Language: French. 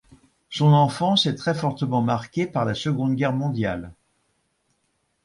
Son enfance est très fortement marquée par la Seconde Guerre mondiale.